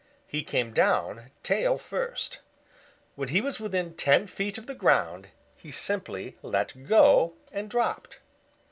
He came down tail first. When he was within ten feet of the ground he simply let go and dropped.